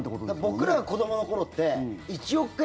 僕らが子どもの頃って１億円